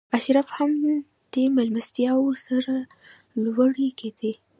اشراف هم په دې مېلمستیاوو سرلوړي کېدل.